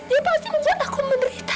dia pasti membuat aku menderita